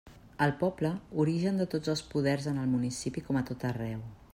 El poble, origen de tots els poders en el municipi com a tot arreu.